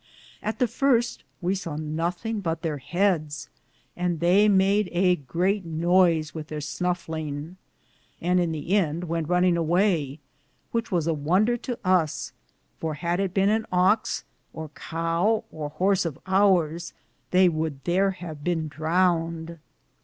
At the firste we saw nothinge but there heades, and they made a great noyse with their snufflinge, and, in the ende, went Runing awaye, which was a wonder to us, for had it bene an ox, or cowe, or horse of oures, theye would thare have bene drowned.